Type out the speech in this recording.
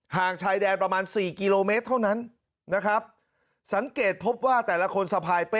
งชายแดนประมาณ๔กิโลเมตรเท่านั้นนะครับสังเกตพบว่าแต่ละคนสะพายเป้